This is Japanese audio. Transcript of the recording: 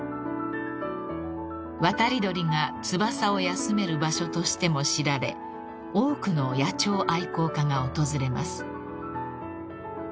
［渡り鳥が翼を休める場所としても知られ多くの野鳥愛好家が訪れます］